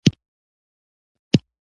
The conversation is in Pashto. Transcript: یو خاص ارزښت د حقایقو سپړل دي.